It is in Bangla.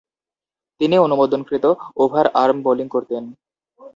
তিনি অনুমোদনকৃত ওভার আর্ম বোলিং করতেন।